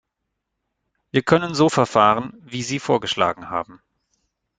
Wir können so verfahren, wie Sie vorgeschlagen haben.